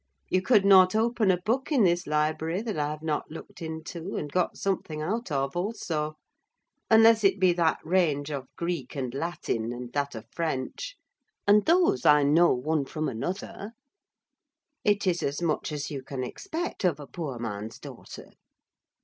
You could not open a book in this library that I have not looked into, and got something out of also: unless it be that range of Greek and Latin, and that of French; and those I know one from another: it is as much as you can expect of a poor man's daughter.